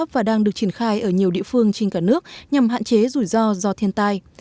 và đang được triển khai ở nhiều địa phương trên cả nước nhằm hạn chế rủi ro do thiên tai